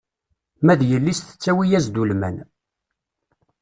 Ma d yelli-s tettawi-as-d ulman.